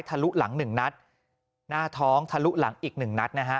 ลุหลังหนึ่งนัดหน้าท้องทะลุหลังอีกหนึ่งนัดนะฮะ